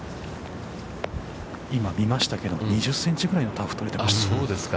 ◆今見ましたけど、２０センチぐらいのターフ、取れてました。